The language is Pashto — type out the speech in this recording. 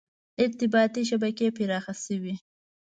• ارتباطي شبکې پراخې شوې.